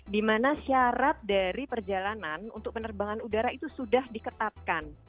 dimana syarat dari perjalanan untuk penerbangan udara itu sudah diketatkan